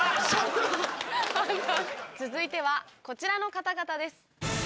続いてはこちらの方々です。